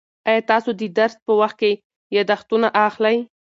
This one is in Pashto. آیا تاسو د درس په وخت کې یادښتونه اخلئ؟